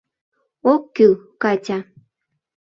Ок кӱл, Катя.